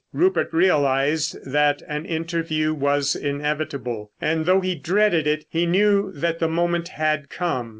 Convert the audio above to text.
Rupert realised that an interview was inevitable, and though he dreaded it he knew that the moment had come.